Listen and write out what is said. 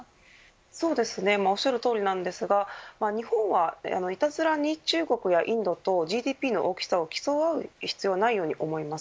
そうですね、おっしゃるとおりなんですが日本はいたずらに中国やインドとＧＤＰの大きさを競い合う必要はないと思います。